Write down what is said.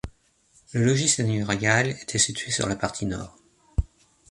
Le logis seigneurial était situé sur la partie nord.